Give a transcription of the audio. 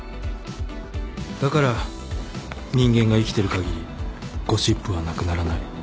だから人間が生きてるかぎりゴシップはなくならない。